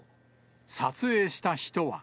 撮影した人は。